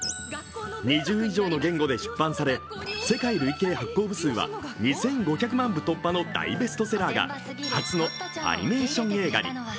２０以上の言語で出版され、世界累計発行部数は２５００万部突破の大ベストセラーが初のアニメーション映画に。